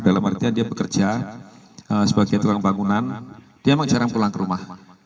dalam artian dia bekerja sebagai tukang bangunan dia memang jarang pulang ke rumah